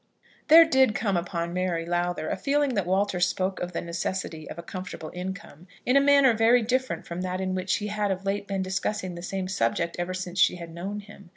There did come upon Mary Lowther a feeling that Walter spoke of the necessity of a comfortable income in a manner very different from that in which he had of late been discussing the same subject ever since she had known him.